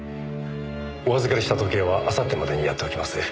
お預かりした時計は明後日までにやっておきます。